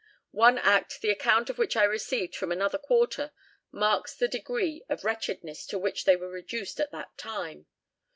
"One act, the account of which I received from another quarter, marks the degree of wretchedness to which they were reduced at that time.